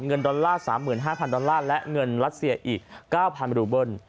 ดอลลาร์๓๕๐๐ดอลลาร์และเงินรัสเซียอีก๙๐๐รูเบิ้ล